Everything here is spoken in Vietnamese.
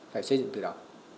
phải xây dựng từ đó